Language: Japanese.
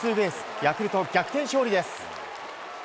ヤクルト逆転勝利です！